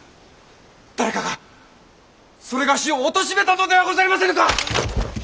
誰かがそれがしをおとしめたのではございませぬか！